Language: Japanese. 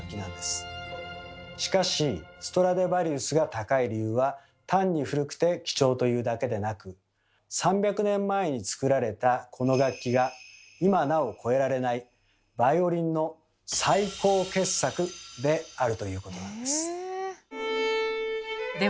しかしストラディヴァリウスが高い理由は単に古くて貴重というだけでなく３００年前に作られたこの楽器が今なお超えられないバイオリンの最高傑作であるということなんです。